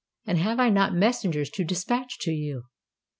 and have I not messengers to dispatch to you?